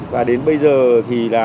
và đến bây giờ thì là